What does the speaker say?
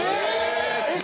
えっ！